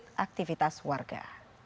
bersulit aktivitas warga